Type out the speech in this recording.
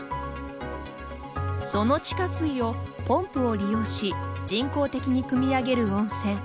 その地下水をポンプを利用し人工的にくみ上げる温泉。